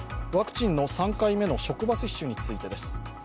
ワクチンの３回目の職場接種についてです。